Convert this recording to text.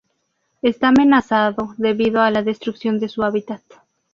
Está amenazado debido a la destrucción de su hábitat.